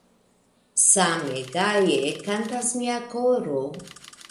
Same gaje kantas mia koro!